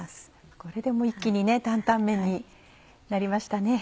これでもう一気に坦々麺になりましたね。